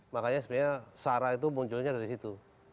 makanya sebenarnya sarah itu munculnya dari situ